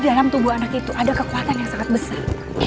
di dalam tubuh anak itu ada kekuatan yang sangat besar